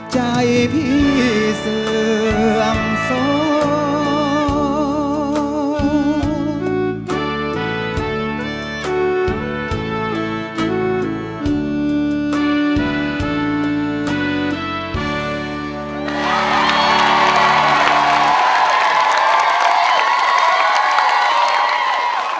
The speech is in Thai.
ใจพี่เสื่อมสอง